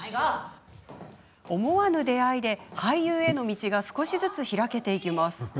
思わぬ出会いで、俳優への道が少しずつ開けていきます。